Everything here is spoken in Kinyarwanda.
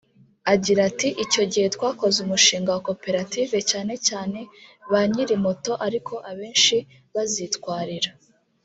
Agira ati “Icyo gihe twakoze umushinga wa Koperative cyane cyane ba nyirimoto ariko abenshi bazitwarira